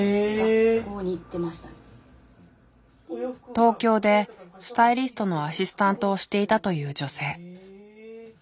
東京でスタイリストのアシスタントをしていたという女性。